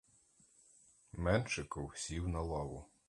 Меншиков сів на лаву.